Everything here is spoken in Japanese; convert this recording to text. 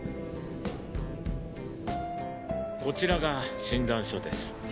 こちらが診断書です。